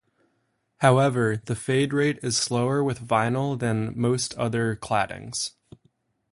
However, the fade rate is slower with vinyl than most other claddings.